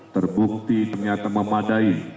terbukti ternyata memadai